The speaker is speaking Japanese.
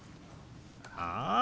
ああ。